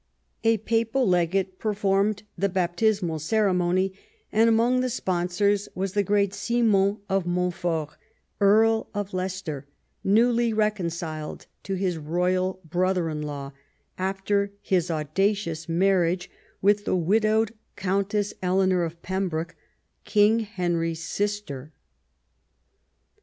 A papal legate performed the baptismal ceremony, and among the sponsors was the great Simon of Montfort, Earl of Leicester, newly reconciled to his royal brother in law after his audacious marriage with the widowed Countess Eleanor of Pembroke, King Henry's sister.